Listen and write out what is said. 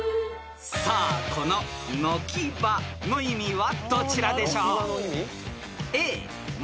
［さあこの「のきば」の意味はどちらでしょう？］